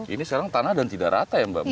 ini sekarang tanah dan tidak rata ya mbak